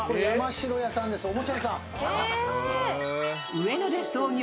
上野で創業